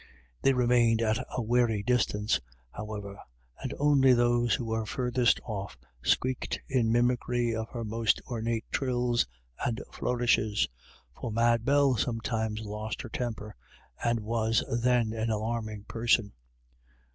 They remained at a wary distance, however, and only those who were furthest off squeaked in mimicry of her most ornate trills and flourishes ; for Mad Bell sometimes lost her temper, and was then an alarming person.